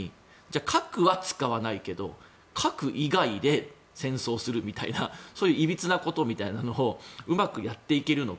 核は使わないけど核以外で戦争するみたいなそういういびつなことみたいなのをうまくやっていけるのか。